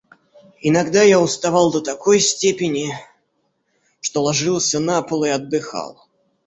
Иногда я уставал до такой степени, что ложился на пол и отдыхал.